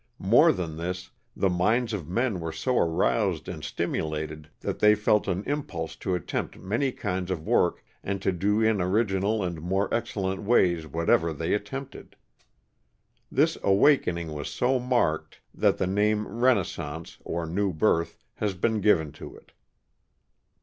More than this, the minds of men were so aroused and stim ulated that they felt an impulse to attempt many kinds of work and to do in original and more excellent ways what ever they attempted. This awakening was so marked that the name Renaissance, or new birth, has been given to it.